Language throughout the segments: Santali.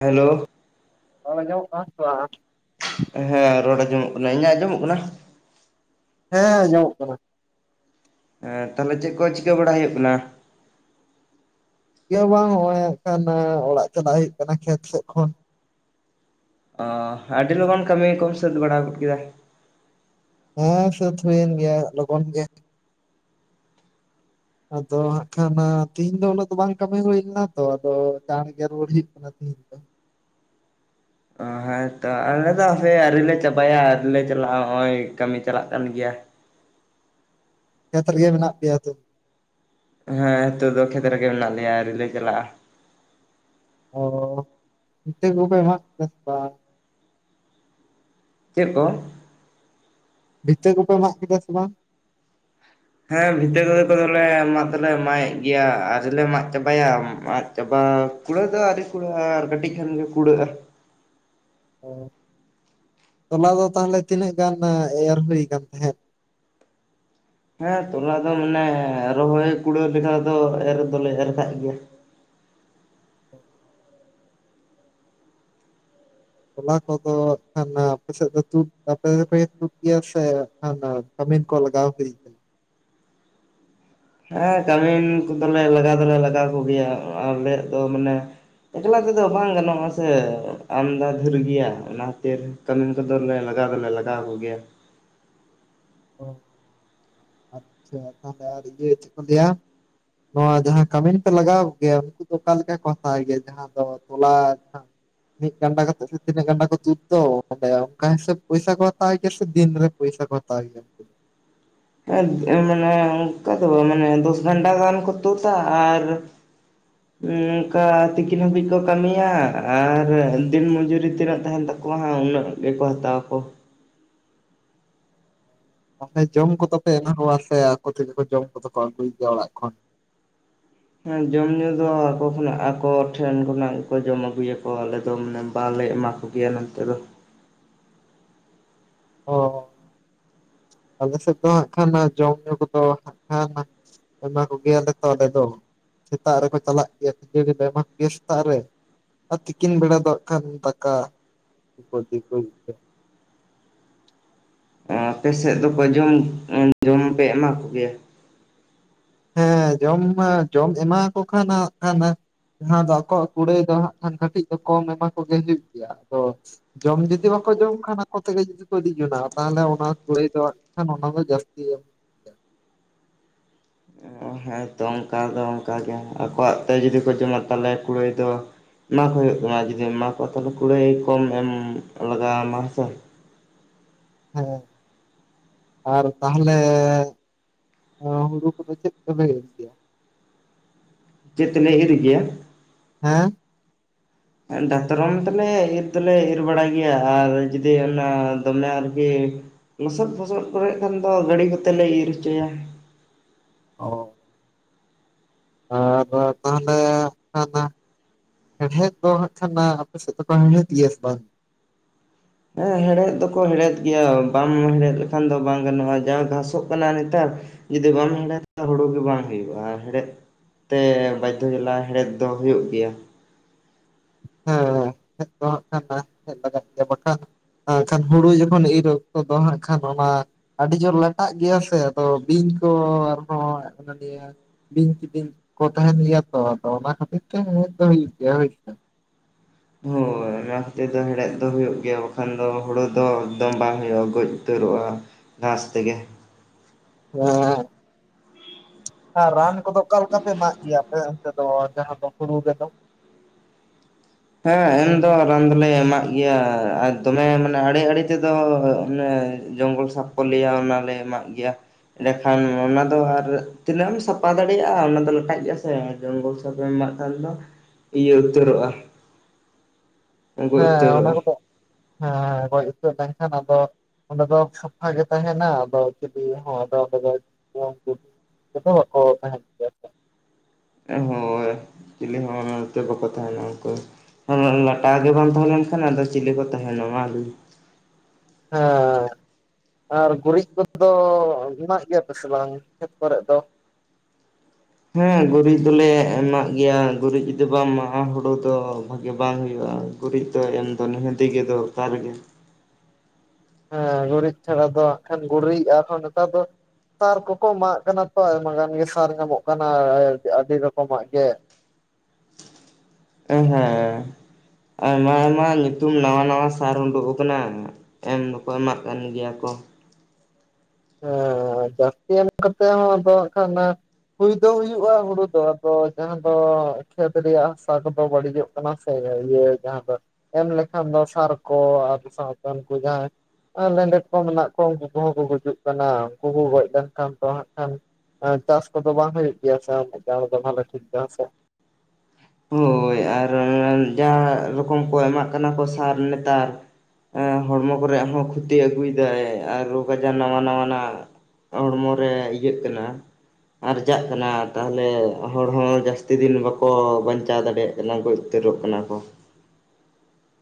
ᱦᱮᱞᱳ᱾ ᱨᱚᱲ ᱟᱸᱡᱚᱢᱚᱜ ᱠᱟᱱᱟ ᱥᱮ ᱵᱟᱝ? ᱦᱮᱸ ᱨᱚᱲ ᱟᱸᱡᱚᱢᱚᱜ ᱠᱟᱱᱟ, ᱤᱧᱟᱹᱜ ᱟᱸᱡᱚᱢᱚᱜ ᱠᱟᱱᱟ? ᱦᱮᱸ ᱟᱸᱡᱚᱢᱚᱜ ᱠᱟᱱᱟ। ᱦᱮᱸ ᱛᱟᱦᱚᱞᱮ ᱪᱮᱫ ᱠᱚ ᱪᱤᱠᱟᱹ ᱵᱟᱲᱟ ᱦᱩᱭᱩᱜ ᱠᱟᱱᱟ? ᱪᱤᱠᱟᱹ ᱦᱚᱸ ᱵᱟᱝ ᱦᱚᱜᱼᱚᱭ ᱦᱟᱸᱜ ᱠᱷᱟᱱ ᱚᱲᱟᱜ ᱪᱟᱞᱟᱜ ᱦᱩᱭᱩᱜ ᱠᱟᱱᱟ ᱠᱷᱮᱛ ᱥᱮᱫ ᱠᱷᱚᱱ। ᱚ ᱟᱹᱰᱤ ᱞᱚᱜᱚᱱ ᱠᱟᱹᱢᱤ ᱠᱚᱢ ᱥᱟᱹᱛ ᱵᱟᱲᱟ ᱜᱚᱫ ᱠᱮᱫᱟ? ᱦᱮᱸ ᱥᱟᱹᱛ ᱦᱩᱭᱮᱱ ᱜᱮᱭᱟ ᱞᱚᱜᱚᱱ ᱜᱮ। ᱟᱫᱚ ᱦᱟᱸᱜ ᱠᱷᱟᱱ ᱛᱤᱦᱤᱧ ᱫᱚ ᱩᱱᱟᱹᱜ ᱫᱚ ᱵᱟᱝ ᱠᱟᱹᱢᱤ ᱦᱩᱭ ᱞᱮᱱᱟ ᱛᱚ ᱟᱫᱚ ᱪᱟᱬᱜᱮ ᱨᱩᱣᱟᱹᱲ ᱦᱩᱭᱩᱜ ᱠᱟᱱᱟ ᱛᱤᱦᱤᱧ ᱫᱚ। ᱚ ᱦᱮᱸ। ᱦᱮᱸ ᱛᱚ ᱟᱞᱮ ᱫᱚ ᱦᱟᱯᱮ ᱟᱹᱣᱨᱤ ᱞᱮ ᱪᱟᱵᱟᱭᱟ ᱟᱹᱣᱨᱤ ᱞᱮ ᱪᱟᱞᱟᱜᱼᱟ, ᱦᱚᱜᱼᱚᱭ ᱠᱟᱹᱢᱤ ᱪᱟᱞᱟᱜ ᱠᱟᱱ ᱜᱮᱭᱟ। ᱠᱷᱮᱛ ᱨᱮᱜᱮ ᱢᱮᱱᱟᱜ ᱯᱮᱭᱟ ᱛᱚ। ᱦᱮᱸ ᱦᱮᱛᱚᱜ ᱫᱚ ᱠᱷᱮᱛ ᱨᱮᱜᱮ ᱢᱮᱱᱟᱜ ᱞᱮᱭᱟ ᱟᱣᱨᱤ ᱞᱮ ᱪᱟᱞᱟᱜᱼᱟ। ᱚ ᱵᱷᱤᱛᱟᱹ ᱠᱚᱯᱮ ᱦᱟᱜ ᱠᱮᱫᱟ ᱥᱮ ᱵᱟᱝ? ᱪᱮᱫ ᱠᱚ? ᱵᱷᱤᱛᱟᱹ ᱠᱚᱯᱮ ᱢᱟᱜ ᱠᱮᱫᱟ ᱥᱮ ᱵᱟᱝ? ᱦᱮᱸ ᱵᱷᱤᱛᱟᱹ ᱠᱚᱫᱚ ᱫᱚᱞᱮ ᱢᱟᱜ ᱫᱚᱞᱮ ᱢᱟᱭᱮᱫ ᱜᱮᱭᱟ ᱟᱣᱨᱤ ᱞᱮ ᱢᱟᱜ ᱪᱟᱵᱟᱭᱟ ᱢᱟᱜ ᱪᱟᱵᱟ ᱠᱩᱲᱟᱹᱜ ᱫᱚ ᱟᱹᱣᱨᱤ ᱠᱩᱲᱟᱹᱜᱼᱟ ᱟᱨ ᱠᱟᱹᱴᱤᱡ ᱠᱷᱟᱱ ᱜᱮ ᱠᱩᱲᱟᱹᱜ-ᱟ᱾ ᱚ ᱛᱚᱞᱟ ᱫᱚ ᱛᱟᱦᱚᱞᱮ ᱛᱤᱱᱟᱹᱜ ᱜᱟᱱ ᱮᱨ ᱦᱩᱭ ᱠᱟᱱ ᱛᱟᱦᱮᱸᱫ? ᱦᱮᱸ ᱛᱚᱞᱟ ᱫᱚ ᱢᱟᱱᱮ ᱨᱚᱦᱚᱭ ᱠᱩᱲᱟᱹᱣ ᱞᱮᱠᱟ ᱫᱚ ᱮᱨ ᱫᱚᱞᱮ ᱮᱨ ᱠᱟᱜ ᱜᱮᱭᱟ᱾ ᱛᱚᱞᱟ ᱠᱚᱫᱚ ᱦᱟᱜᱠᱷᱟᱱ ᱟᱯᱮ ᱥᱮᱫ ᱫᱚ ᱛᱩᱫ ᱟᱯᱮ ᱜᱮᱯᱮ ᱛᱩᱫ ᱜᱮᱭᱟ ᱥᱮ ᱠᱷᱟᱱ ᱠᱟᱹᱢᱤᱱ ᱠᱚ ᱞᱟᱜᱟᱣ ᱦᱩᱭ ᱠᱟᱱᱟ᱾ ᱦᱮᱸ ᱠᱟᱹᱢᱤᱱ ᱠᱚᱫᱚ ᱞᱮ ᱞᱟᱜᱟᱣ ᱫᱚᱞᱮ ᱞᱟᱜᱟᱣ ᱠᱚ ᱜᱮᱭᱟ ᱦᱟᱜ ᱟᱞᱮᱭᱟᱜ ᱫᱚ ᱢᱟᱱᱮᱼᱼ ᱮᱠᱞᱟ ᱛᱮᱫᱚ ᱵᱟᱝ ᱜᱟᱱᱚᱜᱼᱟ ᱥᱮ ᱟᱢᱫᱟ ᱫᱷᱮᱨ ᱜᱮᱭᱟ ᱚᱱᱟ ᱠᱷᱟᱹᱛᱤᱨ ᱠᱟᱹᱢᱤᱱ ᱠᱚᱫᱚᱞᱮ ᱞᱟᱜᱟᱣ ᱫᱚᱞᱮ ᱞᱟᱜᱟᱣ ᱠᱚᱜᱮᱭᱟ᱾ ᱚ᱾ ᱟᱪᱪᱷᱟ ᱟᱨ ᱤᱭᱟᱹ ᱪᱮᱫ ᱠᱚ ᱞᱮᱭᱟᱼᱼ ᱱᱚᱣᱟ ᱡᱟᱦᱟᱸ ᱠᱟᱹᱢᱤᱱ ᱯᱮ ᱞᱟᱜᱟᱣ ᱠᱚ ᱜᱮᱭᱟ ᱩᱱᱠᱩ ᱫᱚ ᱚᱠᱟ ᱞᱮᱠᱟ ᱠᱚ ᱦᱟᱛᱟᱣ ᱜᱮᱭᱟ ᱡᱟᱦᱟᱸᱼᱼ ᱟᱫᱚ ᱛᱚᱞᱟ ᱢᱤᱫ ᱜᱟᱱᱰᱟ ᱠᱟᱛᱮᱜ ᱥᱮ ᱛᱤᱱᱟᱹᱜ ᱜᱟᱱᱰᱟ ᱠᱚ ᱛᱩᱫ ᱫᱚ ᱛᱟᱦᱞᱮ ᱚᱱᱠᱟ ᱦᱤᱥᱟᱹᱵ ᱯᱚᱭᱥᱟ ᱠᱚ ᱦᱟᱛᱟᱣ ᱜᱮᱭᱟ ᱥᱮ ᱫᱤᱱ ᱨᱮ? ᱯᱚᱭᱥᱟ ᱠᱚ ᱦᱟᱛᱟᱣ ᱜᱮᱭᱟ ᱩᱱᱠᱩ ᱫᱚ? ᱦᱮᱸ ᱢᱟᱱᱮ ᱚᱱᱠᱟ ᱫᱚ ᱵᱟᱝ ᱢᱟᱱᱮ ᱫᱚᱥ ᱜᱚᱱᱰᱟ ᱜᱟᱱ ᱠᱚ ᱛᱳᱛᱟ ᱟᱨ [inaudible] ᱱᱚᱝᱠᱟ ᱛᱤᱠᱤᱱ ᱦᱟᱹᱵᱤᱡ ᱠᱚ ᱠᱟᱹᱢᱤᱭᱟ ᱟᱨ ᱫᱤᱱ ᱢᱚᱡᱩᱨᱤ ᱛᱤᱱᱟᱹᱜ ᱛᱟᱦᱮᱱ ᱛᱟᱠᱚᱣᱟ ᱦᱟᱸᱜ ᱩᱱᱟᱹᱜ ᱜᱮᱠᱚ ᱦᱟᱛᱟᱣᱟᱠᱚ᱾ ᱟᱯᱮ ᱡᱚᱢ ᱠᱚᱫᱚ ᱯᱮ ᱮᱢᱟ ᱠᱚᱣᱟ ᱥᱮ ᱟᱠᱚ ᱛᱮᱜᱮ ᱠᱚ ᱡᱚᱢ ᱠᱚᱫᱚ ᱠᱚ ᱟᱹᱜᱩᱭ ᱜᱮᱭᱟ ᱚᱲᱟᱜ ᱠᱷᱚᱱ? ᱦᱮᱸ ᱡᱚᱢ ᱧᱩ ᱫᱚ ᱟᱠᱚ ᱠᱷᱚᱱᱟᱜ ᱟᱠᱚ ᱴᱷᱮᱱ ᱠᱷᱚᱱᱟᱜ ᱜᱮᱠᱚ ᱡᱚᱢ ᱟᱹᱜᱩᱭᱟᱠᱚ ᱟᱞᱮ ᱫᱚ ᱢᱟᱱᱮ ᱵᱟᱞᱮ ᱮᱢᱟ ᱠᱚ᱾ ᱜᱮᱭᱟ ᱱᱚᱱᱛᱮ ᱫᱚ᱾ ᱚ᱾ ᱟᱞᱮ ᱥᱮᱫ ᱫᱚ ᱦᱟᱸᱜ ᱠᱷᱟᱱ ᱡᱚᱢ ᱧᱩ ᱠᱚᱫᱚ ᱦᱟᱸᱜ ᱠᱷᱟᱱ ᱮᱢᱟ ᱠᱚ ᱜᱮᱭᱟᱞᱮ ᱛᱚ ᱟᱞᱮ ᱫᱚ ᱾ ᱥᱮᱛᱟᱜ ᱨᱮᱠᱚ ᱪᱟᱞᱟᱜ ᱜᱮᱭᱟ ᱠᱷᱟᱹᱡᱟᱹᱲᱤ ᱞᱮ ᱮᱢᱟ ᱠᱚᱜᱮᱭᱟ ᱥᱮᱛᱟᱜ ᱨᱮ ᱾ ᱟᱨ ᱛᱤᱠᱤᱱ ᱵᱮᱲᱟ ᱫᱟᱜ ᱠᱷᱟᱱ ᱫᱟᱠᱟ ᱠᱚ ᱤᱫᱤ ᱠᱚᱜᱮ ᱜᱮᱭᱟ ᱾ ᱟᱯᱮ ᱥᱮᱫ ᱫᱚᱠᱚ ᱡᱚᱢ ᱡᱚᱢ ᱯᱮ ᱮᱢᱟ ᱠᱚᱜᱮᱭᱟ? ᱦᱮᱸ ᱡᱚᱢ ᱢᱟ ᱡᱚᱢ ᱮᱢᱟ ᱠᱚ ᱠᱷᱟᱱ ᱱᱟᱜ ᱠᱷᱟᱱ ᱡᱟᱦᱟᱸ ᱫᱚ ᱟᱠᱚᱣᱟᱜ ᱠᱩᱲᱟᱹᱭ ᱫᱚ ᱦᱟᱸᱜ ᱠᱷᱟᱱ ᱠᱟᱹᱴᱤᱡ ᱫᱚ ᱠᱚᱢ ᱮᱢᱟ ᱠᱚᱜᱮ ᱦᱩᱭᱩᱜ ᱜᱮᱭᱟ ᱟᱫᱚ ᱡᱚᱢ ᱡᱩᱫᱤ ᱵᱟᱠᱚ ᱡᱚᱢ ᱠᱷᱟᱱ ᱟᱠᱚ ᱛᱮᱜᱮ ᱡᱩᱫᱤ ᱤᱫᱤ ᱡᱚᱱᱟ ᱛᱟᱦᱚᱞᱮ ᱚᱱᱟ ᱠᱩᱲᱟᱹᱭ ᱫᱟᱸᱜ ᱠᱷᱟᱱ ᱚᱱᱟ ᱫᱚ ᱡᱟᱹᱥᱛᱤ ᱚ ᱦᱮᱸᱛᱚ ᱚᱱᱠᱟ ᱫᱚ ᱚᱱᱠᱟ ᱜᱮ, ᱟᱠᱚᱣᱟᱜ ᱛᱮ ᱡᱩᱫᱤ ᱠᱚ ᱡᱚᱢᱟ ᱛᱟᱦᱚᱞᱮ ᱠᱩᱲᱟᱹᱭ ᱫᱚ ᱮᱢᱟ ᱠᱚ ᱦᱩᱭᱩᱜ ᱛᱟᱢᱟ ᱡᱩᱫᱤᱢ ᱮᱢᱟ ᱠᱚᱣᱟ ᱛᱟᱦᱚᱞᱮ ᱠᱩᱲᱟᱹᱭ ᱠᱚᱢ ᱮᱢ ᱞᱟᱜᱟᱣᱟᱢᱟ ᱦᱮᱸᱥᱮ ᱾ ᱦᱮᱸ ᱟᱨ ᱛᱟᱦᱚᱞᱮ ᱦᱩᱲᱩ ᱠᱚᱫᱚ ᱪᱮᱫ ᱛᱮᱯᱮ ᱤᱨ ᱜᱮᱭᱟ? ᱪᱮᱫ ᱛᱮᱞᱮ ᱤᱨ ᱜᱮᱭᱟ? ᱦᱮᱸ ᱾ ᱫᱟᱛᱚᱴᱨᱚᱢ ᱛᱟᱞᱮ ᱤᱨ ᱫᱚᱞᱮ ᱤᱨ ᱵᱟᱲᱟᱭ ᱜᱮᱭᱟ ᱟᱨ ᱡᱩᱫᱤ ᱚᱱᱟ ᱫᱚᱢᱮ ᱟᱨᱠᱤ ᱞᱚᱥᱚᱫ-ᱯᱷᱚᱥᱚᱫ ᱠᱚᱨᱮ ᱠᱷᱟᱱ ᱫᱚ ᱜᱟᱹᱰᱤ ᱠᱚᱛᱮ ᱞᱮ ᱤᱨ ᱦᱚᱪᱚᱭᱟ ᱾ ᱚᱻ ᱟᱫᱚ ᱛᱟᱦᱞᱮ ᱚᱱᱟᱫ ᱦᱮᱲᱦᱮᱫ ᱫᱚ ᱦᱟᱜ ᱠᱷᱟᱱ ᱟᱯᱮ ᱥᱮᱫ ᱫᱚᱠᱚ ᱦᱮᱲᱦᱮᱫ ᱜᱮᱭᱟ ᱥᱮ ᱵᱟᱝ? ᱦᱮᱸ ᱦᱮᱲᱦᱮᱫ ᱫᱚᱠᱚ ᱦᱮᱲᱦᱮᱫ ᱜᱮᱭᱟ, ᱵᱟᱢ ᱦᱮᱲᱦᱮᱫ ᱞᱮᱠᱷᱟᱱ ᱫᱚ ᱵᱟᱝ ᱜᱟᱱᱚᱜᱼᱟ ᱡᱟ ᱜᱷᱟᱥᱚᱜ ᱠᱟᱱᱟ ᱱᱮᱛᱟᱨ ᱡᱩᱫᱤ ᱵᱟᱢ ᱦᱮᱲᱦᱮᱫᱟᱱ ᱦᱩᱲᱩ ᱜᱮ ᱵᱟᱝ ᱦᱩᱭᱩᱜᱼᱟ ᱟᱨ ᱦᱮᱲᱦᱮᱫ ᱛᱮ ᱵᱟᱫᱽᱫᱷᱚ ᱡᱟᱞᱟ ᱦᱮᱲᱦᱮᱫ ᱫᱚ ᱦᱩᱭᱩᱜ ᱜᱮᱭᱟ‌ ᱾ ᱦᱮᱸ ᱦᱮᱡ ᱫᱚᱟᱜ ᱠᱟᱱᱟ ᱦᱮᱡ ᱞᱟᱜᱟᱜ ᱜᱮᱭᱟ ᱵᱟᱠᱷᱟᱱ ᱠᱷᱟᱱ ᱦᱩᱲᱩ ᱡᱚᱠᱷᱚᱱ ᱤᱨ ᱚᱠᱛᱚ ᱫᱚ ᱦᱟᱸᱜ ᱠᱷᱟᱱ ᱚᱱᱟ ᱟᱹᱰᱤ ᱡᱳᱨ ᱞᱟᱴᱟᱜ ᱜᱮᱭᱟ ᱥᱮ ᱟᱫᱚ ᱵᱤᱧ ᱠᱚ ᱟᱨᱦᱚᱸ [unintelligible] ᱵᱤᱧ ᱠ ᱵᱤᱧ ᱠᱚ ᱛᱟᱦᱮᱱ ᱜᱮᱭᱟ ᱛᱚ ᱟᱫᱚ ᱚᱱᱟ ᱠᱷᱟᱹᱛᱤᱨ ᱛᱮ ᱦᱮᱲᱦᱮᱫ ᱫᱚ ᱦᱩᱭᱩᱜ ᱜᱮᱭᱟ ᱦᱩᱭᱥᱮ ᱾ ᱦᱟᱭ ᱾ ᱚᱱᱟ ᱠᱷᱟᱹᱛᱤᱨ ᱫᱚ ᱦᱮᱲᱦᱮᱫ ᱫᱚ ᱦᱩᱭᱩᱜ ᱜᱮᱭᱟ ᱵᱟᱠᱷᱟᱱ ᱫᱚ ᱦᱳᱲᱳ ᱫᱚ ᱮᱠᱫᱚᱢ ᱵᱟᱝ ᱦᱩᱭᱩᱜᱼᱟ, ᱜᱚᱡ ᱩᱛᱟᱹᱨᱚᱜᱼᱟ ᱾ ᱜᱷᱟᱥ ᱛᱮᱜᱮ᱾ ᱦᱮᱸ ᱟᱨ ᱨᱟᱱ ᱠᱚᱫᱚ ᱚᱠᱟ ᱞᱮᱠᱟ ᱯᱮ ᱮᱢᱟᱜ ᱜᱮᱭᱟ ᱯᱮ ᱚᱱᱛᱮ ᱫᱚ ᱡᱟᱦᱟᱸ ᱫᱚ ᱦᱩᱲᱩ ᱨᱮᱫᱚ? ᱦᱮᱸ ᱮᱢ ᱫᱚ ᱨᱟᱱ ᱫᱚᱞᱮ ᱮᱢᱟᱜ ᱜᱮᱭᱟ ᱟᱨ ᱫᱚᱢᱮ ᱢᱟᱱᱮ ᱟᱲᱮ ᱟᱲᱮ ᱛᱮᱫᱚ ᱚᱱᱮ ᱡᱚᱝᱜᱚᱞ ᱥᱟᱯ ᱞᱮᱭᱟ ᱚᱱᱟᱞᱮ ᱮᱢᱟᱜ ᱜᱮᱭᱟ, ᱮᱸᱰᱮᱠᱷᱟᱱ ᱚᱱᱟ ᱫᱚ ᱟᱨ ᱛᱤᱱᱟᱹᱜ ᱮᱢ ᱥᱟᱯᱷᱟ ᱫᱟᱲᱮᱭᱟᱜᱼᱟ ᱚᱱᱟ ᱫᱚ ᱞᱟᱴᱟᱜ ᱜᱮᱭᱟ ᱥᱮ ᱡᱚᱝᱜᱚᱞ ᱥᱟᱯᱷᱟᱢ ᱮᱢᱟᱜ ᱠᱷᱟᱱ ᱫᱚ ᱤᱭᱟᱹ ᱩᱛᱟᱹᱨᱚᱜᱼᱟ ᱾ ᱦᱮᱸ ᱚᱱᱟ ᱩᱛᱟᱹᱨᱚᱜᱼᱟ ᱠᱚᱫᱚ ᱦᱮᱸ ᱜᱚᱡ ᱩᱛ ᱞᱮᱱᱠᱷᱟᱱ ᱟᱫᱚ ᱚᱸᱰᱮ ᱫᱚ ᱥᱟᱯᱷᱟ ᱜᱮ ᱛᱟᱦᱮᱱᱟ, ᱟᱫᱚ ᱪᱤᱞᱤ ᱫᱚ [unintelligible] ᱵᱟᱠᱚ ᱛᱟᱦᱮᱱ ᱜᱮᱭᱟ ᱥᱮ ᱦᱚᱭ ᱪᱤᱞᱤ ᱦᱚᱸ ᱵᱟᱠᱚ ᱛᱟᱦᱮᱱᱟ ᱩᱱᱠᱩ ᱞᱟᱴᱟᱜ ᱜᱮ ᱵᱟᱝ ᱛᱟᱦᱮᱸ ᱞᱮᱱᱠᱷᱟᱱ ᱟᱫᱚ ᱪᱤᱞᱤ ᱠᱚ ᱛᱟᱦᱮᱱᱟ ᱵᱟᱝ ᱾ ᱦᱟᱸ ᱾ ᱟᱨ ᱜᱩᱨᱤᱡ ᱠᱷᱚᱛ ᱫᱚ ᱮᱢᱟᱜ ᱜᱮᱭᱟᱯ ᱥᱮ ᱵᱟᱝ ᱠᱷᱮᱛ ᱠᱚᱨᱮ ᱫᱚ? ᱦᱮᱸ ᱜᱩᱨᱤᱡ ᱫᱚᱞᱮ ᱮᱢᱟᱜ ᱜᱮᱭᱟ, ᱜᱩᱨᱤᱡ ᱡᱩᱫᱤ ᱵᱟᱢ ᱮᱢᱟᱜᱼᱟ ᱦᱩᱲᱳ ᱫᱚ ᱵᱷᱟᱜᱤ ᱵᱟᱝ ᱦᱩᱭᱩᱜᱼᱟ ᱾ ᱜᱩᱨᱤᱡ ᱫᱚ ᱮᱢ ᱫᱚ ᱱᱤᱦᱟᱹᱛᱤ ᱜᱮ ᱫᱚᱨᱠᱟᱨ ᱜᱮ ᱾ ᱦᱮᱸ ᱜᱩᱨᱤᱡ ᱪᱷᱟᱲᱟ ᱫᱚ ᱠᱷᱟᱱ ᱜᱩᱨᱤᱡᱼᱟ ᱟᱨ ᱦᱚᱸ ᱱᱮᱛᱟᱨ ᱫᱚ ᱥᱟᱨ ᱠᱚᱠᱚ ᱮᱢᱟᱜ ᱠᱟᱱᱟ ᱛᱚ ᱟᱭᱢᱟ ᱜᱟᱱ ᱜᱮ ᱥᱟᱨ ᱧᱟᱢᱚᱜ ᱠᱟᱱᱟ ᱟᱹᱰᱤ ᱨᱚᱠᱚᱢᱟᱜ ᱜᱮ ᱾ ᱦᱮᱸ ᱟᱭᱢᱟ ᱟᱭᱢᱟ ᱧᱩᱛᱩᱢ ᱱᱟᱣᱟ ᱱᱟᱣᱟ ᱥᱟᱨ ᱩᱰᱩᱠ ᱟᱠᱟᱱᱟ ᱾ ᱮᱢ ᱫᱚᱠᱚ ᱮᱢᱟᱜ ᱠᱟᱱ ᱜᱮᱭᱟ ᱠᱚ ᱾ ᱦᱮᱸ ᱡᱟᱹᱥᱛᱤ ᱮᱢ ᱠᱟᱛᱮ ᱦᱚᱸ ᱟᱫᱚ ᱠᱷᱱ ᱦᱩᱭ ᱫᱚ ᱦᱩᱭᱩᱜᱼᱟ ᱦᱩᱲᱩ ᱫᱚ ᱡᱟᱦᱟᱸ ᱫᱚ ᱠᱷᱮᱛ ᱨᱮᱭᱟᱜ ᱦᱟᱥᱟ ᱠᱚᱫᱚ ᱵᱟᱹᱲᱤᱡᱚᱜ ᱠᱟᱱᱟ ᱥᱮ, ᱤᱭᱟᱹ ᱡᱟᱦᱟᱸ ᱫᱚ ᱮᱢ ᱞᱮᱠᱷᱟᱱ ᱫᱚ ᱥᱟᱨ ᱠᱚ ᱟᱨ ᱥᱟᱶᱛᱮ ᱩᱱᱠᱩ ᱡᱟᱦᱟᱸᱭ ᱟᱨ ᱞᱮᱸᱰᱮᱛ ᱠᱚ ᱢᱮᱱᱟᱜ ᱠᱚᱣᱟ ᱩᱱᱠᱩ ᱠᱚᱦᱚᱸ ᱠᱚ ᱜᱩᱡᱩᱜ ᱠᱟᱱᱟ ᱩᱱᱠᱩ ᱠᱚ ᱜᱚᱡ ᱞᱮᱱᱠᱷᱟᱱ ᱫᱚ ᱦᱟᱸᱜ ᱠᱷᱟᱱ ᱮ ᱪᱟᱥ ᱠᱚᱫᱚ ᱵᱟᱝ ᱦᱩᱭᱩᱜ ᱜᱮᱭᱟ ᱥᱮ ᱩᱱᱟᱹᱜ ᱪᱟᱬ ᱫᱚ ᱵᱷᱟᱞᱮ ᱴᱷᱤᱠ ᱜᱮᱭᱟ ᱥᱮ᱾ ᱦᱳᱭ ᱟᱨ ᱡᱟ ᱨᱚᱠᱚᱢ ᱠᱚ ᱮᱢᱟᱜ ᱠᱟᱱᱟ ᱠᱚ ᱥᱟᱨ ᱱᱮᱛᱟᱨ ᱦᱮᱸ ᱦᱚᱲᱢᱚ ᱠᱚᱨᱮ ᱦᱚᱸ ᱠᱷᱚᱛᱤ ᱟᱹᱜᱩᱭᱮᱫᱟᱭ ᱟᱨ ᱨᱳᱜᱽ ᱟᱡᱟᱨ ᱱᱟᱣᱟ ᱱᱟᱣᱟᱱᱟᱜ, ᱦᱚᱲᱢᱚ ᱨᱮ ᱤᱭᱟᱹᱜ ᱠᱟᱱᱟ᱾ ᱟᱨᱡᱟᱜ ᱠᱟᱱᱟ ᱛᱟᱦᱚᱞᱮ ᱦᱚᱲ ᱦᱚᱸ ᱡᱟᱹᱥᱛᱤ ᱫᱤᱱ ᱵᱟᱠᱚ ᱵᱟᱧ ᱵᱟᱧᱪᱟᱣ ᱫᱟᱲᱮᱭᱟᱜ ᱠᱟᱱᱟ ᱠᱚ ᱩᱛᱟᱹᱨᱚᱜ ᱠᱟᱱᱟ ᱠᱚ᱾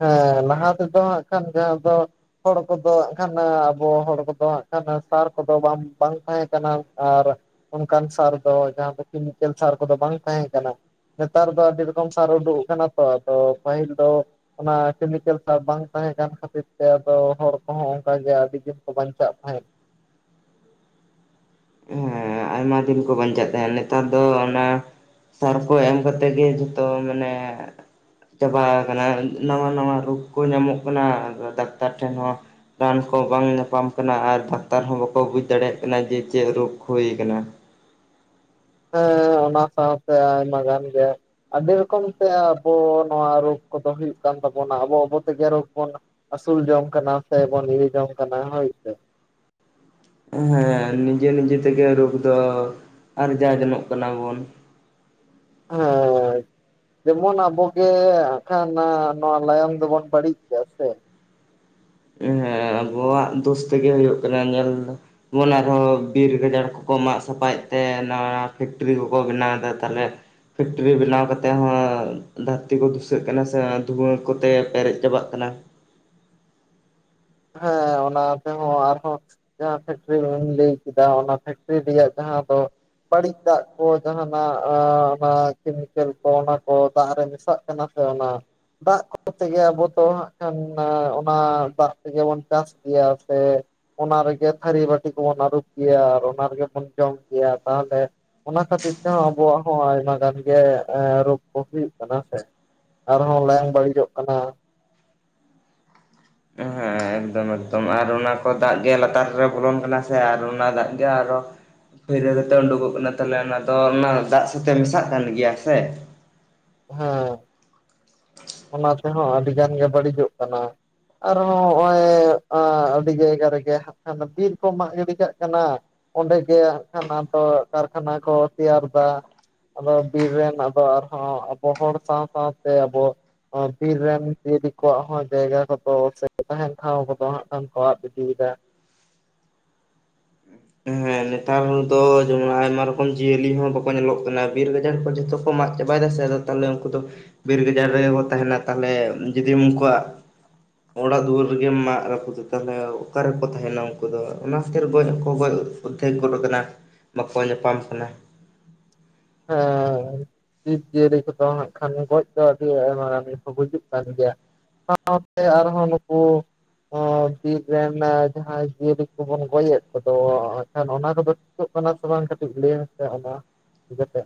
ᱦᱮᱸ ᱞᱟᱦᱟ ᱛᱮᱫᱚ ᱦᱟᱜ ᱠᱷᱟᱱ ᱡᱟᱦᱟᱸ ᱫᱚ, ᱦᱚᱲ ᱠᱚᱫᱚ ᱦᱟᱸᱜ ᱠᱷᱟᱱ ᱟᱵᱚ ᱦᱚᱲ ᱠᱚᱫᱚ ᱦᱟᱸᱜ ᱠᱷᱟᱱ ᱥᱟᱨ ᱠᱚᱫᱚ ᱵᱟᱝ ᱵᱟᱝ ᱛᱟᱦᱮᱸ ᱠᱟᱱᱟ ᱟᱨ ᱚᱱᱠᱟᱱ ᱥᱟᱨ ᱫᱚ ᱡᱟᱦᱟᱸ ᱫᱚ ᱠᱮᱢᱤᱠᱮᱞ ᱥᱟᱨ ᱠᱚᱫᱚ ᱵᱟᱝ ᱛᱟᱦᱮᱸ ᱠᱟᱱᱟ᱾ ᱱᱮᱛᱟᱨ ᱫᱚ ᱟᱹᱰᱤ ᱨᱚᱠᱚᱢ ᱥᱟᱨ ᱩᱰᱩᱠ ᱟᱠᱟᱱᱟ ᱛᱚ ᱟᱫᱚ ᱯᱟᱹᱦᱤᱞ ᱫᱚ ᱚᱱᱟ ᱠᱮᱢᱤᱠᱮᱞ ᱥᱟᱨ ᱵᱟᱝ ᱛᱟᱦᱮᱸ ᱠᱟᱱ ᱠᱷᱟᱹᱛᱤᱨ ᱛᱮ ᱟᱫᱚ ᱦᱚᱲ ᱠᱚᱦᱚᱸ ᱚᱱᱠᱟᱜ ᱜᱮ ᱟᱹᱰᱤ ᱫᱤᱱ ᱠᱚ ᱵᱟᱧᱪᱟᱜ ᱛᱟᱦᱮᱸᱫ᱾ ᱦᱮᱸ ᱟᱭᱢᱟ ᱫᱤᱱ ᱠᱚ ᱵᱟᱧᱪᱟᱜ ᱛᱟᱦᱮᱸᱫ ᱱᱮᱛᱟᱨ ᱫᱚ ᱚᱱᱟ ᱥᱟᱨ ᱠᱚ ᱮᱢ ᱠᱟᱛᱮᱫ ᱜᱮ ᱡᱷᱚᱛᱚ ᱢᱟᱱᱮ ᱪᱟᱵᱟ ᱠᱟᱱᱟ ᱱᱟᱣᱟ ᱱᱟᱣᱟ ᱨᱳᱜᱽ ᱠᱚ ᱧᱟᱢᱚᱜ ᱠᱟᱱᱟ ᱰᱟᱠᱛᱟᱨ ᱴᱷᱮᱱ ᱦᱚᱸ ᱨᱟᱱ ᱠᱚ ᱵᱟᱝ ᱧᱟᱯᱟᱢ ᱠᱟᱱᱟ ᱟᱨ ᱰᱟᱠᱛᱟᱨ ᱦᱚᱸ ᱵᱟᱠᱚ ᱵᱩᱡᱽ ᱫᱟᱲᱮᱭᱟᱜ ᱠᱟᱱᱟ ᱡᱮ ᱪᱮᱫ ᱨᱩᱠᱷ ᱦᱩᱭ ᱟᱠᱟᱱᱟ ᱦᱮᱸ ᱚᱱᱟ ᱥᱟᱶ ᱛᱮ ᱟᱭᱢᱟ ᱜᱟᱱ ᱜᱮᱼᱼ ᱟᱹᱰᱤ ᱨᱚᱠᱚᱢ ᱛᱮ ᱟᱵᱚ ᱱᱚᱣᱟ ᱨᱚᱜᱽ ᱠᱚ ᱫᱚ ᱦᱩᱭᱩᱜ ᱠᱟᱱ ᱛᱟᱵᱚᱱᱟ ᱟᱵᱚ- ᱟᱵᱚ ᱛᱮ ᱜᱮ ᱨᱳᱜᱽ ᱵᱚᱱᱼᱼ ᱟᱹᱥᱩᱞ ᱡᱚᱝ ᱠᱟᱱᱟ ᱥᱮ ᱵᱚᱱ ᱧᱩ ᱡᱚᱢ ᱠᱟᱱᱟ ᱦᱚᱭ ᱥᱮᱼᱼ ᱦᱮᱸ ᱱᱤᱡᱮ-ᱱᱤᱡᱮ ᱛᱮ ᱜᱮ ᱨᱚᱜᱽ ᱫᱚ ᱟᱨᱡᱟᱣ ᱡᱚᱝᱚᱜ ᱠᱟᱱᱟ ᱵᱚᱱᱼᱼ [unintelligible] ᱡᱮᱢᱚᱱ ᱟᱵᱚ ᱜᱮ ᱟᱸᱠᱷᱟᱱᱟ ᱱᱚᱣᱟ ᱞᱟᱭᱚᱝ ᱫᱚ ᱵᱚᱱ ᱵᱟᱹᱲᱤᱡ ᱜᱮᱭᱟ ᱥᱮᱼᱼ ᱦᱮᱸ ᱟᱵᱚᱣᱟᱜ ᱫᱚᱥ ᱛᱮ ᱜᱮ ᱦᱩᱭᱩᱜ ᱠᱟᱱᱟ ᱧᱮᱞ ᱫᱚᱼᱼ ᱡᱮᱢᱚᱱ ᱟᱨ ᱦᱚᱸ ᱵᱤᱨ ᱜᱟᱡᱟᱲ ᱠᱚ ᱠᱚ ᱢᱟᱜ ᱥᱟᱯᱷᱟᱭ ᱮᱫ ᱛᱮ ᱱᱟᱣᱟ ᱯᱷᱮᱠᱴᱨᱤ ᱠᱚ ᱠᱚ ᱵᱮᱱᱟᱣ ᱮᱫᱟ ᱛᱟᱦᱞᱮᱼᱼ ᱯᱷᱮᱠᱴᱨᱤ ᱵᱮᱱᱟᱣ ᱠᱟᱛᱮ ᱦᱚᱸ ᱫᱷᱟᱹᱨᱛᱤ ᱠᱚ ᱫᱷᱩᱥᱟᱹᱜ ᱠᱟᱱᱟ ᱥᱮ ᱫᱷᱩᱶᱟᱹ ᱠᱚ ᱛᱮ ᱯᱮᱨᱮᱡ ᱪᱟᱵᱟᱜ ᱠᱟᱱᱟ ᱦᱮᱸ ᱚᱱᱟ ᱛᱮ ᱦᱚᱸ ᱟᱨ ᱦᱚᱸᱼᱼ ᱡᱟᱦᱟᱸ ᱯᱷᱮᱠᱴᱨᱤᱢ ᱞᱟᱹᱭ ᱠᱮᱫᱟ ᱚᱱᱟ ᱯᱷᱮᱠᱴᱨᱤ ᱨᱮᱭᱟᱜ ᱡᱟᱦᱟᱸ ᱫᱚᱼᱼ ᱵᱟᱹᱲᱤᱡ ᱫᱟᱜ ᱠᱚ ᱡᱟᱦᱟᱱᱟᱜ ᱚᱱᱟ ᱠᱮᱢᱤᱠᱮᱞ ᱠᱚ ᱚᱱᱟ ᱠᱚ ᱫᱟᱜ ᱨᱮ ᱢᱮᱥᱟᱜ ᱠᱟᱱᱟ ᱥᱮ ᱚᱱᱟ ᱫᱟᱜ ᱠᱚᱛᱮ ᱜᱮ ᱟᱵᱚ ᱛᱚ ᱦᱟᱸᱜ ᱠᱷᱟᱱ ᱚᱱᱟ ᱫᱟᱜᱼᱼ ᱡᱮᱢᱚᱱ ᱪᱟᱥ ᱜᱮᱭᱟᱹ ᱥᱮᱼᱼ ᱚᱱᱟ ᱨᱮ ᱜᱮ ᱛᱷᱟᱹᱨᱤ ᱵᱟᱹᱴᱤ ᱠᱚ ᱵᱚᱱ ᱟᱹᱨᱩᱵ ᱠᱮᱭᱟ ᱟᱨ ᱚᱱᱟ ᱨᱮ ᱜᱮ ᱵᱚᱱ ᱡᱚᱢ ᱠᱮᱭᱟ ᱛᱟᱦᱞᱮᱼᱼ ᱚᱱᱟ ᱠᱷᱟᱹᱛᱤᱨ ᱛᱮ ᱦᱚᱸ ᱟᱵᱚᱣᱟᱜ ᱦᱚᱸ ᱟᱭᱢᱟ ᱜᱟᱱ ᱜᱮ ᱨᱚᱜᱽ ᱠᱚ ᱦᱩᱭᱩᱜ ᱠᱟᱱᱟ ᱥᱮᱼᱼ ᱟᱨ ᱦᱚᱸ ᱞᱟᱭᱚᱝ ᱵᱟᱹᱲᱤᱡᱚᱜ ᱠᱟᱱᱟ ᱮᱦᱮᱸ ᱮᱠᱫᱚᱢ ᱮᱠᱫᱚᱢ ᱟᱨ ᱚᱱᱟ ᱠᱚ ᱫᱟᱜ ᱜᱮ ᱞᱟᱛᱟᱨ ᱨᱮ ᱵᱚᱞᱚᱱ ᱠᱟᱱᱟ ᱥᱮ ᱟᱨ ᱚᱱᱟ ᱫᱟᱜ ᱜᱮ ᱟᱨᱦᱚᱸ ᱠᱷᱟᱹᱭᱨᱟᱹ ᱫᱟᱛᱮ ᱩᱰᱩᱠᱚᱜ ᱠᱟᱱᱟ ᱛᱟᱦᱞᱮ ᱚᱱᱟ ᱫᱚ ᱚᱱᱟ ᱫᱟᱜ ᱥᱟᱶ ᱛᱮ ᱢᱮᱥᱟᱜ ᱠᱟᱱ ᱜᱮᱭᱟ ᱥᱮᱼᱼ ᱦᱟᱸ ᱚᱱᱟ ᱛᱮᱦᱚᱸ ᱟᱹᱰᱤ ᱜᱟᱱ ᱜᱮ ᱵᱟᱹᱲᱤᱡᱚᱜ ᱠᱟᱱᱟ ᱟᱨ ᱦᱚᱸ ᱱᱚᱜᱼᱚᱭ ᱟ- ᱟᱹᱰᱤ ᱡᱟᱭᱜᱟ ᱨᱮ ᱜᱮ ᱦᱟᱸᱜ ᱮᱱ ᱠᱷᱟᱱ ᱫᱚ ᱵᱤᱨ ᱠᱚᱢ ᱢᱟᱜ ᱜᱤᱰᱤ ᱠᱟᱜ ᱠᱟᱱᱟ ᱚᱸᱰᱮ ᱜᱮ ᱟᱱᱠᱷᱟᱱ ᱟ ᱫᱚ ᱠᱟᱨᱠᱷᱟᱱᱟ ᱠᱚ ᱛᱮᱭᱟᱨ ᱫᱟᱼᱼ ᱟᱫᱚ ᱵᱤᱨ ᱨᱮᱱ ᱟᱫᱚ ᱟᱨ ᱦᱚᱸ ᱟᱵᱚ ᱦᱚᱲ ᱥᱟᱶ-ᱥᱟᱶ ᱛᱮ ᱟᱵᱚᱼᱼ ᱵᱤᱨ ᱨᱮᱱ ᱡᱤᱭᱟᱹᱞᱤ ᱠᱚᱣᱟᱜ ᱦᱚᱸ ᱡᱟᱭᱜᱟ ᱠᱚ ᱫᱚ ᱥᱮ ᱛᱟᱦᱮᱱ ᱴᱷᱟᱶ ᱠᱚ ᱫᱚ ᱦᱟᱸᱜ ᱠᱷᱟᱱ ᱠᱚ ᱟᱫ ᱤᱫᱤᱭ ᱮᱫᱟ ᱦᱮᱸ ᱱᱮᱛᱟᱨ ᱫᱚ ᱡᱮᱢᱚᱱ ᱟᱭᱢᱟ ᱨᱚᱠᱚᱢ ᱡᱤᱭᱟᱹᱞᱤ ᱦᱚᱸ ᱵᱟᱠᱚ ᱧᱮᱞᱚᱜ ᱠᱟᱱᱟ ᱵᱤᱨ ᱜᱟᱡᱟᱲ ᱠᱷᱚᱱ ᱡᱚᱛᱚ ᱠᱚ ᱢᱟᱜ ᱪᱟᱵᱟᱭᱮᱫᱟ ᱥᱮ ᱟᱫᱚ ᱛᱟᱦᱞᱮ ᱩᱱᱠᱩ ᱫᱚ ᱵᱤᱨ ᱜᱟᱡᱟᱲ ᱨᱮ ᱜᱮ ᱠᱚ ᱛᱟᱦᱮᱱᱟ ᱛᱟᱦᱞᱮ ᱡᱩᱫᱤ ᱩᱱᱠᱩᱣᱟᱜᱼᱼ ᱚᱲᱟᱜ ᱫᱩᱣᱟᱹᱨ ᱨᱮᱜᱮᱢ ᱢᱟᱜ ᱨᱟᱹᱯᱩᱫ ᱟᱠᱟᱫᱟ ᱚᱠᱟ ᱨᱮ ᱠᱚ ᱛᱟᱦᱮᱱᱟ ᱩᱱᱠᱩ ᱫᱚ ᱚᱱᱟ ᱠᱷᱟᱹᱛᱤᱨ ᱜᱚᱡ ᱦᱚᱸ ᱠᱚ ᱜᱚᱡᱼᱼ ᱩᱫᱫᱷᱮᱠ ᱜᱚᱫ ᱟᱠᱟᱱᱟ ᱵᱟᱠᱚ ᱧᱟᱯᱟᱢ ᱠᱟᱱᱟ ᱦᱟᱸᱻ ᱡᱤᱵᱽ ᱡᱤᱭᱟᱹᱞᱤ ᱠᱚ ᱫᱚᱱ ᱮᱫ ᱠᱷᱟᱱ ᱜᱚᱡ ᱫᱚ ᱟᱹᱰᱤ ᱟᱭᱢᱟ ᱜᱟᱱ ᱜᱮ ᱠᱚ ᱜᱩᱡᱩᱜ ᱠᱟᱱ ᱜᱮᱭᱟ [inaudible] ᱟᱨᱦᱚᱸ ᱱᱩᱠᱩ ᱦᱚᱸ ᱵᱤᱨ ᱨᱮᱱ ᱡᱟᱦᱟᱸ ᱡᱤᱭᱟᱹᱞᱤ ᱠᱚ ᱵᱚᱱ ᱜᱚᱡᱮᱫ ᱠᱚ ᱫᱚ ᱮᱠᱷᱟᱱ ᱚᱱᱟ ᱠᱚ ᱫᱚᱼᱼ ᱡᱩᱛᱚᱜ ᱠᱟᱱᱟ ᱥᱮ ᱵᱟᱝ ᱠᱟᱹᱴᱤᱡ ᱞᱟᱹᱭ ᱢᱮᱥᱮ ᱚᱱᱟ ᱱᱤᱡᱮ ᱛᱮᱼᱼ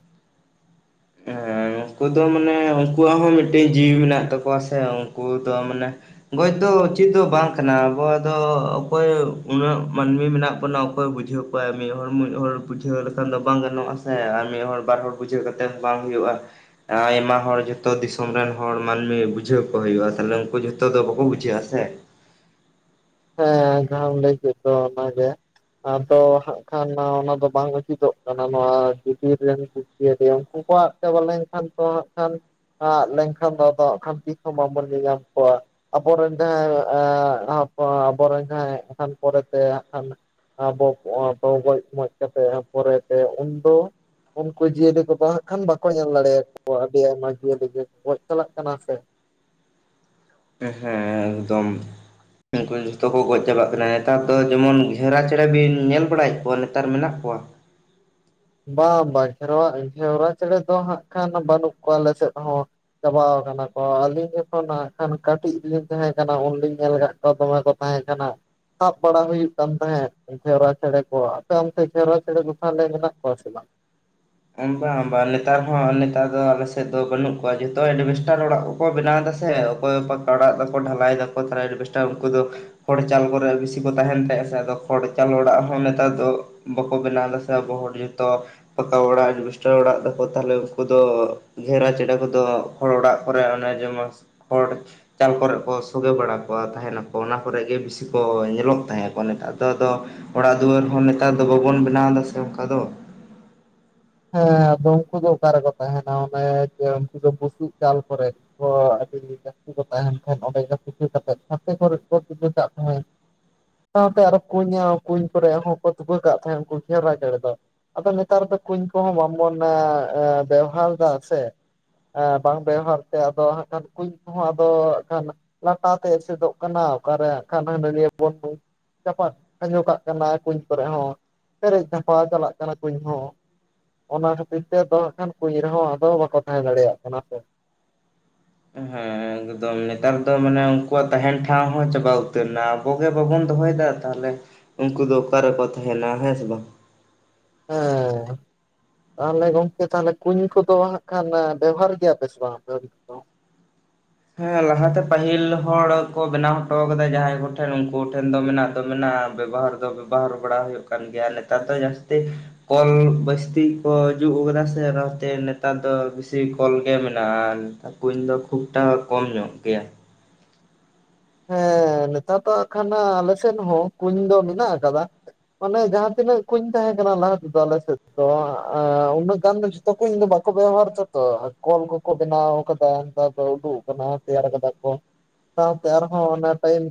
ᱦᱮᱸ ᱩᱱᱠᱩ ᱫᱚ ᱢᱟᱱᱮ ᱩᱱᱠᱩᱣᱟᱜ ᱦᱚᱸ ᱢᱤᱫᱴᱮᱡ ᱡᱤᱣᱤ ᱢᱮᱱᱟᱜ ᱛᱟᱠᱚᱣᱟ ᱥᱮ ᱩᱱᱠᱩ ᱫᱚ ᱢᱟᱱᱮᱼᱼ ᱜᱚᱡ ᱫᱚ ᱪᱮᱫ ᱫᱚ ᱵᱟᱝ ᱠᱟᱱᱟ ᱟᱵᱚ ᱫᱚ ᱚᱠᱚᱭ ᱩᱱᱟᱹᱜ ᱢᱟᱹᱱᱢᱤ ᱢᱮᱱᱟᱜ ᱵᱚᱱᱟ ᱚᱠᱚᱭ ᱵᱩᱡᱷᱟᱹᱣᱜ ᱚᱠᱚ ᱢᱤᱫ ᱦᱚᱲ - ᱢᱤᱫ ᱦᱚᱲ ᱵᱩᱡᱷᱟᱹᱣ ᱞᱮᱠᱷᱟᱱ ᱫᱚ ᱵᱟᱝ ᱜᱟᱱᱚᱜᱼᱟ ᱥᱮ ᱟᱨ ᱢᱤᱫ ᱦᱚᱲ ᱵᱟᱨ ᱦᱚᱲ ᱵᱩᱡᱷᱟᱹᱣ ᱠᱟᱼᱼ ᱛᱮᱫ ᱵᱟᱝ ᱦᱩᱭᱩᱜᱼᱟ ᱟᱭᱢᱟ ᱦᱚᱲ ᱡᱚᱛᱚ ᱫᱤᱥᱚᱢ ᱨᱮᱱ ᱦᱚᱲ ᱢᱟᱹᱱᱢᱤ ᱵᱩᱡᱷᱟᱹᱣ ᱠᱚ ᱦᱩᱭᱩᱜᱼᱟ ᱛᱟᱦᱚᱞᱮ ᱩᱱᱠᱩ ᱡᱷᱚᱛᱚ ᱫᱚ ᱵᱟᱠᱚ ᱵᱩᱡᱷᱟᱹᱜᱼᱟ ᱥᱮ ᱦᱮᱸ ᱡᱟᱦᱟᱢ ᱞᱟᱹᱭ ᱠᱮᱫ ᱫᱚ ᱚᱱᱟ ᱜᱮᱼᱼ ᱟᱫᱚ ᱦᱟᱸᱜ ᱠᱷᱟᱱ ᱚᱱᱟ ᱫᱚ ᱵᱟᱝ ᱩᱪᱤᱛᱚᱜ ᱠᱟᱱᱟ ᱱᱚᱣᱟ ᱵᱷᱤᱛᱤᱨ ᱨᱮᱱ ᱢᱤᱫᱴᱤᱜ [unintelligible] ᱩᱱᱠᱩ ᱠᱚ ᱟᱫ ᱪᱟᱵᱟ ᱞᱮᱱ ᱠᱷᱟᱱ ᱛᱚ ᱱᱷᱟᱜ ᱠᱷᱟᱱᱼᱼ ᱟᱫ ᱞᱮᱱ ᱠᱷᱟᱱ ᱫᱚ ᱟᱫᱚᱜ ᱠᱷᱟᱱ ᱛᱤᱥ ᱦᱚᱸ ᱵᱟᱵᱚᱱ ᱧᱮᱞ ᱧᱟᱢ ᱠᱚᱣᱟ ᱟᱵᱚ ᱨᱮᱱ ᱡᱟᱦᱟᱸᱭ ᱮ ᱦᱟᱯ ᱟᱵᱚ ᱨᱮᱱ ᱡᱟᱦᱟᱸᱭ ᱮᱠᱦᱟᱱ ᱯᱚᱨᱮ ᱛᱮ ᱮᱱ ᱠᱷᱟᱱᱼᱼ ᱟᱵᱚ ᱠᱚ ᱟᱨᱦᱚ ᱜᱚᱡ ᱢᱚᱡ ᱠᱟᱛᱮ ᱯᱚᱨᱮᱛᱮ ᱩᱱᱫᱚᱼᱼ ᱩᱱᱠᱩ ᱡᱤᱭᱟᱹᱞᱤ ᱠᱚ ᱵᱟᱝ ᱦᱟᱜ ᱠᱷᱟᱱ ᱵᱟᱠᱚ ᱧᱮᱞ ᱫᱟᱲᱮᱭᱟ ᱠᱚᱣᱟ ᱟᱹᱰᱤ ᱟᱭᱢᱟ ᱡᱤᱭᱟᱹᱞᱤ ᱜᱮ ᱜᱚᱡ ᱪᱟᱞᱟᱜ ᱠᱟᱱᱟ ᱥᱮ ᱦᱮᱸ ᱮᱠᱫᱚᱢ ᱯᱮᱡ ᱡᱷᱚᱛᱚ ᱠᱚ ᱜᱚᱡ ᱪᱟᱵᱟᱜ ᱠᱟᱱᱟ᱾ ᱱᱮᱛᱟᱨ ᱫᱚ ᱡᱮᱢᱚᱱ ᱜᱷᱮᱨᱟ ᱪᱮᱸᱬᱮ ᱵᱤᱱ ᱧᱮᱞ ᱵᱟᱲᱟᱭᱮᱫ ᱠᱚᱣᱟ ᱱᱮᱛᱟᱨ ᱢᱮᱱᱟᱜ ᱠᱚᱣᱟ? ᱵᱟᱝ ᱵᱟᱝ ᱜᱷᱮᱨᱚᱣᱟ ᱜᱷᱮᱨᱣᱟ ᱪᱮᱸᱬᱮ ᱫᱚ ᱦᱟᱸᱜ ᱠᱷᱟᱱ ᱵᱟᱹᱱᱩᱜ ᱠᱚᱣᱟ ᱟᱞᱮ ᱥᱮᱫ ᱦᱚᱸ᱾ ᱪᱟᱵᱟᱣ ᱟᱠᱟᱱᱟ ᱠᱚ ᱟᱹᱞᱤᱧ ᱡᱚᱠᱷᱚᱱ ᱱᱟᱠᱷᱟᱱ ᱠᱟᱹᱴᱤᱡ ᱞᱤᱧ ᱛᱟᱦᱮᱸ ᱠᱟᱱᱟ ᱩᱱᱞᱤᱧ ᱧᱮᱞ ᱠᱟᱜ ᱚ ᱫᱚᱢᱮ ᱠᱚ ᱛᱟᱦᱮᱸ ᱠᱟᱱᱟ᱾ ᱥᱟᱵ ᱵᱟᱲᱟ ᱦᱩᱭᱩᱜ ᱠᱟᱱ ᱛᱟᱦᱮᱸᱫ ᱜᱷᱮᱣᱨᱟ ᱪᱮᱸᱬᱮ ᱠᱚ ᱟᱯᱮ ᱚᱱᱛᱮ ᱜᱷᱮᱣᱨᱟ ᱪᱮᱸᱬᱮ ᱫᱚ ᱛᱟᱦᱞᱮ ᱢᱮᱱᱟᱜ ᱠᱚᱣᱟ ᱥᱮ ᱵᱟᱝ? ᱵᱟᱝ ᱵᱟᱝ ᱱᱮᱛᱟᱨ ᱦᱚᱸ ᱱᱮᱛᱟᱨ ᱫᱚ ᱟᱞᱮᱥᱮᱫ ᱫᱚ ᱵᱟᱹᱱᱩᱜ ᱠᱚᱣᱟ ᱡᱷᱚᱛᱚ ᱮᱰᱵᱷᱮᱥᱴᱟᱨ ᱚᱲᱟᱜ ᱠᱚ ᱵᱮᱱᱟᱣ ᱮᱫᱟ ᱥᱮ ᱚᱠᱚᱭ ᱟᱲᱟᱜ ᱫᱟᱠᱚ ᱰᱷᱟᱞᱟᱭ ᱫᱟᱠᱚ ᱛᱟᱦᱞᱮ ᱮᱰᱵᱮᱥᱴᱟᱨ ᱩᱱᱠᱩ ᱫᱚ ᱠᱷᱚᱲ ᱪᱟᱞ ᱠᱚᱨᱮ ᱵᱮᱥᱤ ᱠᱚ ᱛᱟᱦᱮᱱ ᱛᱟᱦᱮᱸ ᱥᱮ ᱟᱫᱚ ᱠᱷᱚᱲ ᱪᱟᱞ ᱚᱲᱟᱜ ᱦᱚᱸ ᱱᱮᱛᱟᱨ ᱫᱚ ᱵᱟᱠᱚ ᱵᱮᱱᱟᱣ ᱫᱟ ᱥᱮ ᱟᱵᱚ ᱦᱚᱲ ᱡᱷᱚᱛᱚ ᱯᱟᱠᱟ ᱚᱲᱟᱜ ᱮᱰᱵᱮᱥᱴᱟᱨ ᱚᱲᱟᱜ ᱫᱟᱠᱚ ᱛᱟᱦᱚᱞᱮ ᱩᱱᱠᱩ ᱫᱚ ᱜᱷᱮᱨᱟ ᱪᱮᱸᱬᱮ ᱠᱚᱫᱚ ᱦᱚᱲ ᱚᱲᱟᱜ ᱠᱚᱨᱮ ᱚᱱᱮ ᱡᱮᱢᱚᱱ ᱠᱷᱚᱲ ᱪᱟᱞ ᱠᱚᱨᱮ ᱠᱚ ᱥᱚᱜᱮ ᱵᱟᱲᱟ ᱠᱚᱣᱟ ᱛᱟᱦᱮᱱᱟ ᱠᱚ ᱚᱱᱟ ᱠᱚᱨᱮ ᱜᱮ ᱵᱤᱥᱤ ᱠᱚ ᱧᱮᱞᱚᱜ ᱛᱟᱦᱮᱸ ᱠᱚ᱾ ᱱᱮᱛᱟᱨ ᱫᱚ ᱟᱫᱚ ᱚᱲᱟᱜ ᱫᱩᱣᱟᱹᱨ ᱦᱚᱸ ᱱᱮᱛᱟᱨ ᱫᱚ ᱵᱟᱵᱚᱱ ᱵᱮᱱᱟᱣ ᱮᱫᱟ ᱥᱮ ᱚᱱᱠᱟ ᱫᱚ᱾ ᱦᱮᱸ ᱟᱫᱚ ᱩᱱᱠᱩ ᱫᱚ ᱚᱠᱟ ᱨᱮᱠᱚ ᱛᱟᱦᱮᱱᱟ ᱚᱱᱮ ᱡᱮ ᱩᱱᱠᱩ ᱫᱚ ᱵᱩᱥᱩᱵ ᱪᱟᱞ ᱠᱚᱨᱮ᱾ ᱚ ᱟᱹᱰᱤ ᱞᱮᱠᱟ ᱩᱱᱠᱩ ᱠᱚ ᱛᱟᱦᱮᱱ ᱠᱷᱟᱱ ᱚᱸᱰᱮ ᱜᱮ ᱛᱩᱠᱟᱹ ᱠᱟᱛᱮ ᱥᱟᱛᱮ ᱠᱚᱨᱮ ᱠᱚ ᱛᱩᱠᱟᱹ ᱠᱟᱜ ᱛᱟᱦᱮᱸᱫ᱾ ᱥᱟᱶᱛᱮ ᱟᱨᱚ ᱠᱩᱧᱟ ᱠᱩᱧ ᱠᱚᱨᱮ ᱦᱚᱸᱠᱚ ᱛᱩᱠᱟᱹ ᱠᱟᱜ ᱛᱟᱦᱮᱸᱫ ᱩᱱᱠᱩ ᱜᱷᱮᱣᱨᱟ ᱪᱮᱸᱬᱮ ᱫᱚ᱾ ᱟᱫᱚ ᱱᱮᱛᱟᱨ ᱫᱚ ᱠᱩᱧ ᱠᱚᱦᱚᱸ ᱵᱟᱝᱵᱚᱱ ᱮ ᱵᱮᱣᱦᱟᱨ ᱫᱟ ᱥᱮ᱾ ᱮ ᱵᱟᱝ ᱵᱮᱣᱦᱟᱨ ᱛᱮ ᱟᱫᱚ ᱦᱟᱜᱠᱷᱟᱱ ᱠᱩᱧ ᱠᱚᱦᱚᱸ ᱟᱫᱚ ᱦᱟᱜᱠᱷᱟᱱ ᱞᱟᱴᱟ ᱛᱮ ᱮᱥᱮᱫᱚᱜ ᱠᱟᱱᱟ ᱚᱠᱟᱨᱮ ᱦᱟᱜᱠᱷᱟᱱ [unintelligible] ᱵᱚᱱ ᱪᱟᱯᱟᱫ ᱠᱷᱟᱸᱡᱚ ᱠᱟᱜ ᱠᱟᱱᱟ ᱠᱩᱧ ᱠᱚᱨᱮ ᱦᱚᱸ ᱯᱮᱨᱮᱡ ᱫᱷᱟᱯᱟ ᱪᱟᱞᱟᱜ ᱠᱟᱱᱟ ᱠᱩᱧ ᱦᱚᱸ᱾ ᱚᱱᱟ ᱠᱷᱟᱹᱛᱤᱨ ᱛᱮ ᱫᱚ ᱦᱟᱜᱠᱷᱟᱱ ᱠᱩᱧ ᱨᱮᱦᱚᱸ ᱟᱫᱚ ᱵᱟᱠᱚ ᱛᱟᱦᱮᱸ ᱫᱟᱲᱮᱭᱟᱜ ᱠᱟᱱᱟ ᱦᱮᱸᱥᱮ᱾ ᱦᱮᱸ ᱮᱠᱫᱚᱢ ᱱᱮᱛᱟᱨ ᱫᱚ ᱢᱟᱱᱮ ᱩᱱᱠᱩᱣᱟᱜ ᱛᱟᱦᱮᱱ ᱴᱷᱟᱶ ᱦᱚᱸ ᱪᱟᱵᱟ ᱩᱛᱟᱹᱨ ᱮᱱᱟ ᱟᱵᱚ ᱜᱮ ᱵᱟᱵᱚᱱ ᱫᱚᱦᱚᱭᱮᱫᱟ ᱛᱟᱦᱞᱮ ᱩᱱᱠᱩ ᱫᱚ ᱚᱠᱟᱨᱮᱠᱚ ᱛᱟᱦᱮᱱᱟ ᱦᱮᱸᱥᱮ ᱵᱟᱝ᱾ ᱦᱮᱸᱻ ᱛᱟᱦᱞᱮ ᱜᱚᱝᱠᱮ ᱛᱟᱦᱞᱮ ᱠᱩᱧ ᱠᱚᱫᱚ ᱦᱟᱜᱠᱷᱟᱱ ᱵᱮᱵᱷᱟᱨ ᱜᱮᱭᱟᱯᱮ ᱥᱮ ᱵᱟᱝ ᱟᱯᱮ ᱫᱚ? ᱦᱮᱸ ᱞᱟᱦᱟᱛᱮ ᱯᱟᱹᱦᱤᱞ ᱦᱚᱲ ᱠᱚ ᱵᱮᱱᱟᱣ ᱦᱚᱴᱚ ᱠᱟᱫᱟ ᱡᱟᱦᱟᱸᱭ ᱠᱚᱴᱷᱮᱱ ᱩᱱᱠᱩ ᱴᱷᱮᱱ ᱫᱚ ᱢᱮᱱᱟᱜ ᱫᱚ ᱢᱮᱱᱟᱜ ᱵᱮᱵᱚᱦᱟᱨ ᱵᱮᱵᱚᱦᱟᱨ ᱵᱟᱲᱟ ᱦᱩᱭᱩᱜ ᱠᱟᱱ ᱜᱮᱭᱟ ᱱᱮᱛᱟᱨ ᱫᱚ ᱡᱟᱹᱥᱛᱤ ᱠᱚᱞ ᱵᱟᱹᱥᱛᱤ ᱠᱚ ᱡᱩᱜ ᱠᱟᱫᱟ ᱥᱮ ᱚᱱᱟᱛᱮ ᱱᱮᱛᱟᱨ ᱫᱚ ᱵᱮᱥᱤ ᱠᱚᱞ ᱜᱮ ᱢᱮᱱᱟᱜ-ᱟ᱾ ᱠᱩᱧ ᱫᱚ ᱠᱷᱩᱵᱴᱟᱜ ᱠᱚᱢ ᱧᱚᱜ ᱜᱮᱭᱟ᱾ ᱦᱮᱸ ᱱᱮᱛᱟᱨ ᱫᱚ ᱱᱟᱜᱠᱷᱟᱱ ᱟᱞᱮᱥᱮᱫ ᱦᱚᱸ ᱠᱩᱧ ᱫᱚ ᱢᱮᱱᱟᱜ ᱠᱟᱫᱟ ᱢᱟᱱᱮ ᱡᱟᱦᱟᱸ ᱛᱤᱱᱟᱹᱜ ᱠᱩᱧ ᱛᱟᱦᱮᱸ ᱠᱟᱱᱟ ᱞᱟᱦᱟ ᱛᱮᱫᱚ ᱟᱞᱮᱥᱮᱫ ᱫᱚ ᱮ ᱩᱱᱟᱹᱜ ᱜᱟᱱ ᱫᱚ ᱛᱚ ᱠᱩᱧ ᱫᱚ ᱵᱟᱠᱚ ᱵᱮᱣᱦᱟᱨ ᱫᱟ ᱛᱚ ᱠᱚᱞ ᱠᱚᱠᱚ ᱵᱮᱱᱟᱣ ᱟᱠᱟᱫᱟ ᱛᱟᱨᱯᱚᱨ ᱩᱰᱩᱜ ᱟᱠᱟᱱᱟ ᱛᱮᱭᱟᱨ ᱟᱠᱟᱫᱟ ᱠᱚ᱾ ᱛᱮ ᱟᱨᱦᱚᱸ ᱚᱱᱟ ᱴᱟᱭᱤᱢ